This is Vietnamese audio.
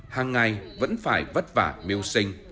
hàng ngày vẫn phải vất vả miêu sinh